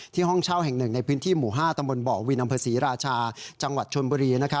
ที่ห้องเช่าแห่งหนึ่งในพิธีหมู่๕ตบวินอศรีราชาจังหวัดชนบุรี